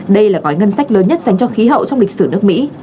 đây là gói ngân sách lớn nhất dành cho khí hậu trong lịch sử nước mỹ